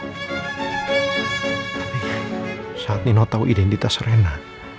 saat nino tahu identitas rena